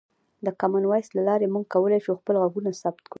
د کامن وایس له لارې موږ کولی شو خپل غږونه ثبت کړو.